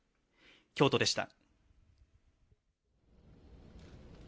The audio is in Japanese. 京都でした。